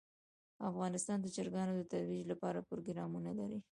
افغانستان د چرګان د ترویج لپاره پروګرامونه لري.